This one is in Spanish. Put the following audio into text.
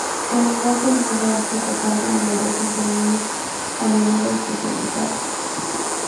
El lenguaje es muy amplio, tocando numerosos dominios, a menudo especializados.